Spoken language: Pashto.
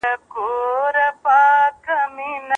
که زده کوونکی کوږ کښیني نو ملا یې درد کوي.